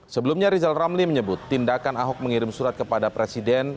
sebelumnya rizal ramli menyebut tindakan ahok mengirim surat kepada presiden